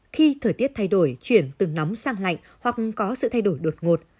khi thời tiết thay đổi chuyển từ nóng sang lạnh hoặc có sự thay đổi đột ngột